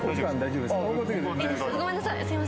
ごめんなさい。